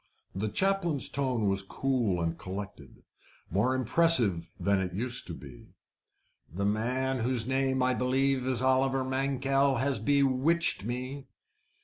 The chaplain's tone was cool and collected more impressive than it was used to be. "The man whose name I believe is Oliver Mankell has bewitched me.